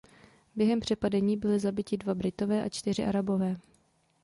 Během přepadení byli zabiti dva Britové a čtyři Arabové.